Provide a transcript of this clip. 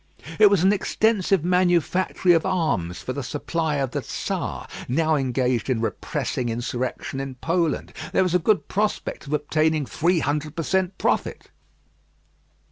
It was an extensive manufactory of arms for the supply of the Czar, now engaged in repressing insurrection in Poland. There was a good prospect of obtaining three hundred per cent. profit.